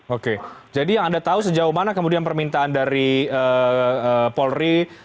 oke jadi yang anda tahu sejauh mana kemudian permintaan dari polri